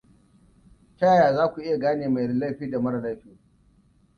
Ta yaya za ku iya gane mai laifi da mara laifi?